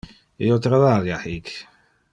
Io travalia hic.